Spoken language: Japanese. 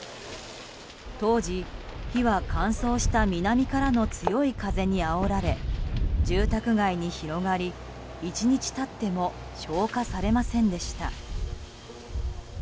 当時、火は乾燥した南からの強い風にあおられ住宅街広がり１日経っても消火されませんでした。